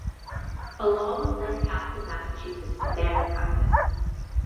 A law was then passed in Massachusetts to ban the practice.